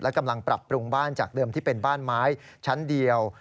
กำลังปรับปรุงบ้านจากเดิมที่เป็นบ้านไม้ชั้นเดียว